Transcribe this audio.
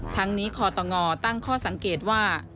ทั้งนี้คอตงตั้งข้อสังเกตว่า